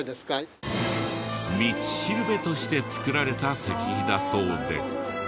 道しるべとして作られた石碑だそうで。